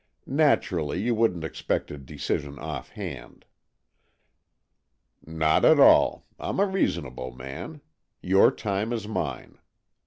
Natur ally, you wouldn't expect a decision off hand." " Not at all. I'm a reasonable man. Your time is mine."